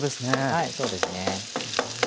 はいそうですね。